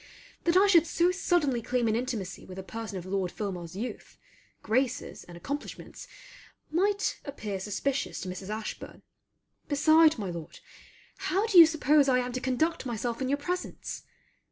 That I should so suddenly claim an intimacy with a person of Lord Filmar's youth, graces, and accomplishments might appear suspicious to Mrs. Ashburn; beside, my Lord, how do you suppose I am to conduct myself in your presence?